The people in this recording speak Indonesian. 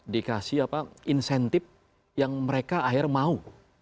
dikasih insentif yang mereka akhirnya mau